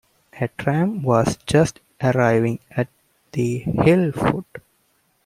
A tram was just arriving at the hill foot.